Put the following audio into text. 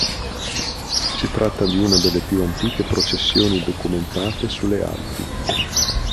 Si tratta di una delle più antiche processioni documentate sulle Alpi.